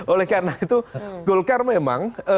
oleh karena itu golkar memang